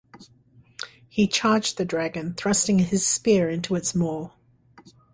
He charged the dragon, thrusting his spear into its maw.